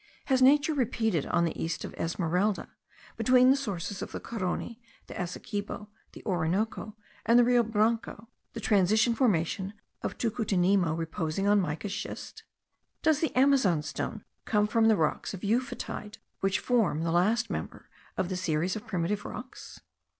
Has nature repeated on the east of Esmeralda, between the sources of the Carony, the Essequibo, the Orinoco, and the Rio Branco, the transition formation of Tucutunemo reposing on mica schist? Does the Amazon stone come from the rocks of euphotide, which form the last member of the series of primitive rocks?